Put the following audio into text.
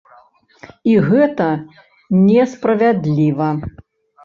І гэта не справядліва.